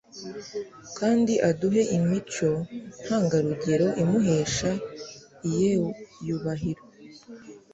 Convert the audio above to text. kandi aduhe imico ntangarugero imuhesha ieyubahiro.